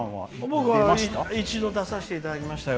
僕は、一度出させていただきましたよ。